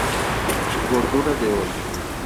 Bordura de oro.